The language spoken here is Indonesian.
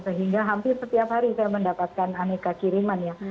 sehingga hampir setiap hari saya mendapatkan aneka kiriman ya